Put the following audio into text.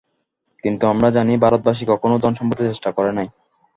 কিন্তু আমরা জানি, ভারতবাসী কখনও ধনসম্পদের চেষ্টা করে নাই।